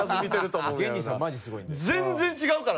もう全然違うから！